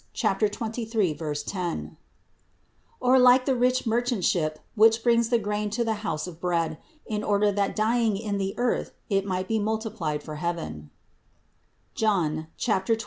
23, 10) ; or like the rich merchant ship, which brings the grain to the house of bread, in order that dying in the earth it might be multiplied for heaven (John 12, 24).